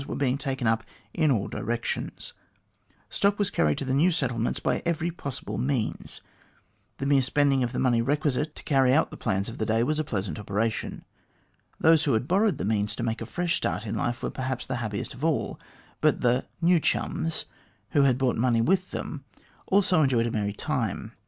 were being taken up in all directions. Stock was carried to the new settlements by every possible means. The mere spending of the money requisite to carry out the plans of *" Australia Illustrated," by Edwin Carton Booth, vol. ii p. 167. 190 THE GLADSTONE COLONY the day was a pleasant operation. Those who had borrowed the means to make a fresh start in life were, perhaps, the happiest of all ; but the " new chums," who had brought money with them, also enjoyed a merry time.